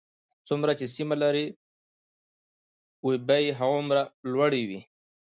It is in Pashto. څومره چې سیمه لرې وي بیې هغومره لوړې وي